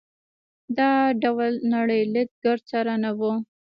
دا ډول نړۍ لید ګرد سره نه وو.